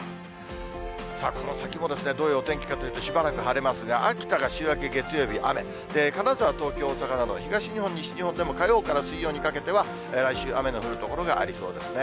さあ、この先もどういうお天気かというと、しばらく晴れますが、秋田が週明け月曜日雨、金沢、東京、大阪など、東日本、西日本でも火曜から水曜にかけては、来週雨の降る所がありそうですね。